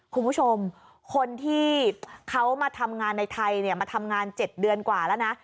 คุณผู้ชมคนที่เขามาทำงานในไทยเนี่ยมาทำงาน๗เดือนกว่าแล้วนะ